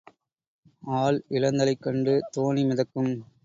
ஆள் இளந்தலை கண்டு தோணி மிதக்கும்.